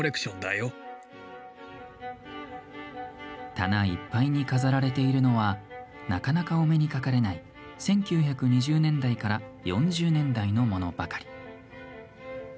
棚いっぱいに飾られているのはなかなか、お目にかかれない１９２０年代から４０年代のものばかり。